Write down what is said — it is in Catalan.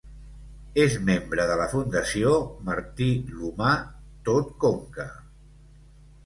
És membre de la fundació Martí l'Humà Tot Conca.